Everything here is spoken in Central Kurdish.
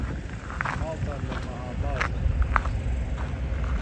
ماڵتان لە مەهابادە؟